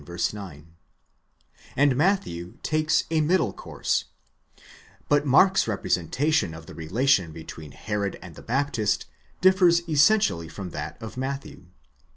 9), and Matthew takes a middle course ; but Mark's representation of the rela tion between Herod and the Baptist differs essentially from that of Matthew.